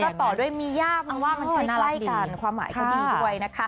และก็ต่อด้วยมีย่าก็ได้กล้ายกันความหมายก็ดีด้วยนะค่ะ